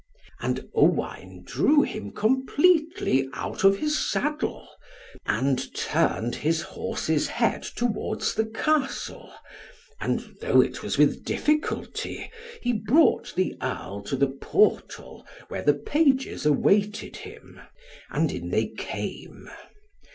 And Owain drew him completely out of his saddle, and turned his horse's head towards the Castle, and, though it was with difficulty, he brought the Earl to the portal, where the pages awaited him. And in they came.